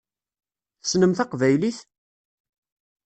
Tessnem taqbaylit?